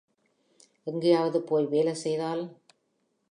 எங்கேயாவது போய் வேலை செய்தால்?